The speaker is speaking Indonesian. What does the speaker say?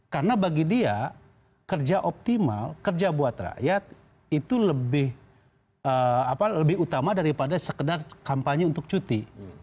karena bagi dia kerja optimal kerja buat rakyat itu lebih utama daripada sekedar kampanye untuk cuti